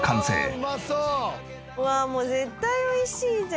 うわもう絶対美味しいじゃん。